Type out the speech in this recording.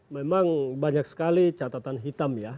memang banyak sekali catatan hitam ya